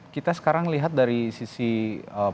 kita sekarang lihat dari sisi